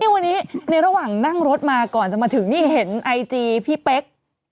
วันนี้ในระหว่างนั่งรถมาก่อนจะมาถึงนี่เห็นไอจีพี่เป๊ก